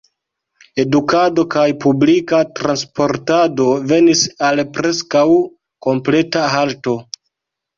Edukado kaj publika transportado venis al preskaŭ kompleta halto.